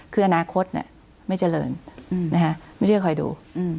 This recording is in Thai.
คืออนาคตไม่เจริญไม่เชื่อคอยดู